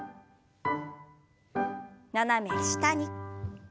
斜め下に。